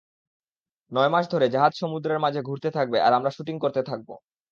নয়মাস ধরে জাহাজ সমুদ্রের মাঝে ঘুরতে থাকবে আর আমরা শ্যুটিং করতে থাকব।